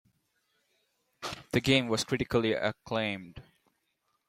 The game was critically acclaimed.